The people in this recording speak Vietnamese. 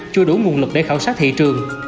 chưa đủ nguồn lực để khảo sát thị trường